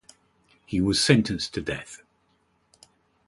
He was sentenced to death.